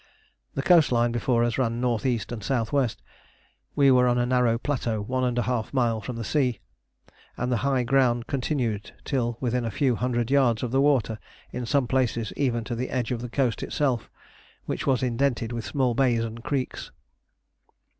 The coast line before us ran N.E. and S.W. We were on a narrow plateau one and a half mile from the sea, and the high ground continued till within a few hundred yards of the water; in some places even to the edge of the coast itself, which was indented with small bays and creeks.